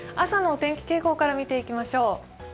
朝のお天気傾向から見ていきましょう。